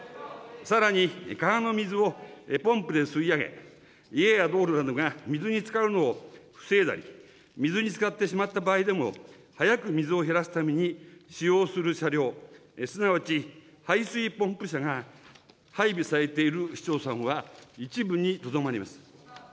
さらに川の水をポンプで吸い上げ、家や道路などが水につかるのを防いだり、水につかってしまった場合でも、早く水を減らすために使用する車両、すなわち排水ポンプ車が配備されている市町村は一部にとどまります。